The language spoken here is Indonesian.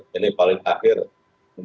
memberikan pendapatan hukum